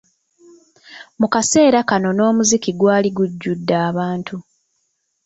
Mu kaseera kano n'omuziki gwali gujjudde abantu.